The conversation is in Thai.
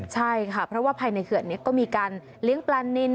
ใช่ค่ะเพราะว่าภายในเขื่อนนี้ก็มีการเลี้ยงปลานิน